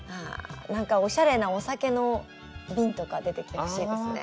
なんかおしゃれなお酒の瓶とか出てきてほしいですね。